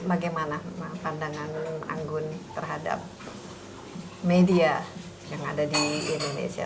bagaimana pandangan anggun terhadap media yang ada di indonesia